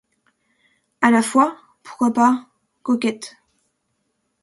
A la fois ?— Pourquoi pas ? Coquette